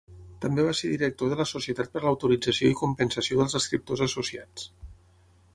També va ser director de la Societat per l'autorització i compensació dels escriptors associats.